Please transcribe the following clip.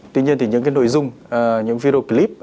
tuy nhiên thì những cái nội dung những video clip